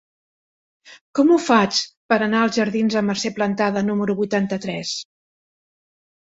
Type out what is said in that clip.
Com ho faig per anar als jardins de Mercè Plantada número vuitanta-tres?